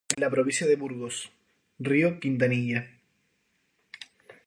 En la provincia de Burgos: Río Quintanilla.